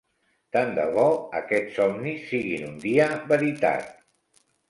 Tant de bo aquests somnis siguin un dia veritat!